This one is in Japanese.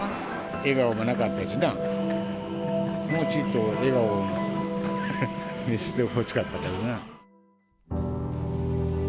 笑顔がなかったしな、もうちょっと笑顔を見せてほしかったけどな。